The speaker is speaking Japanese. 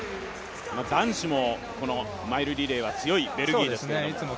男子もこのマイルリレーは強いベルギーですけれども。